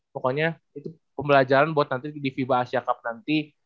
pokoknya itu pembelajaran buat nanti di fiba asia cup nanti